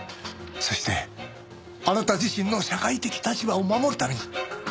そしてあなた自身の社会的立場を守るために。